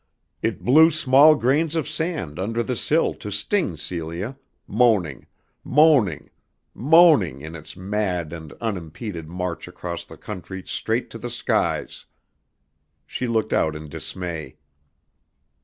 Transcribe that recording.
It blew small grains of sand under the sill to sting Celia, moaning, moaning, moaning in its mad and unimpeded march across the country straight to the skies. She looked out in dismay.